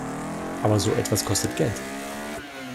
Aber so etwas kostet Geld.